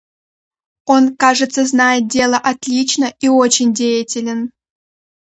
Он, кажется, знает дело отлично и очень деятелен.